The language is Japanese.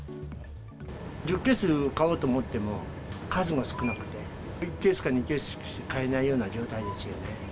１０ケース買おうと思っても数が少なくて、１ケースか２ケースしか買えないような状態ですよね。